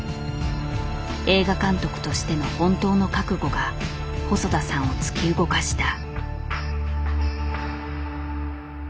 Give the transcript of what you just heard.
映画監督としての本当の覚悟が細田さんを突き動かした。